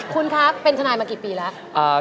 คุณคะเป็นทนายมากี่ปีแล้ว